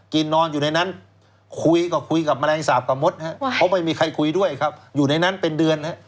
นอนอยู่ในนั้นคุยก็คุยกับแมลงสาปกับมดเขาไม่มีใครคุยด้วยครับอยู่ในนั้นเป็นเดือน